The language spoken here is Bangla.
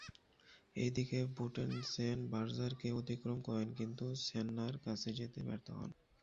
এদিকে, বুটেনসেন বার্জারকে অতিক্রম করেন কিন্তু সেননার কাছে যেতে ব্যর্থ হন।